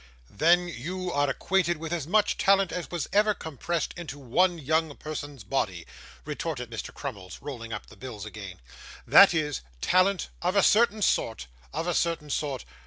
'Then you are acquainted with as much talent as was ever compressed into one young person's body,' retorted Mr. Crummles, rolling up the bills again; 'that is, talent of a certain sort of a certain sort.